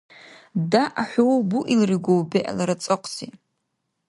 ДягӀ хӀу буилригу бегӀлара цӀакьси!